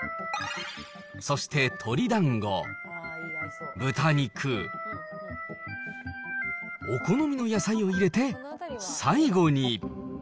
そして鶏だんご、豚肉、お好みの野菜を入れて、最後に。